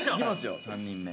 ３人目。